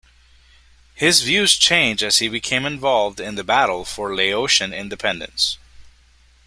His views changed as he became involved in the battle for Laotian independence.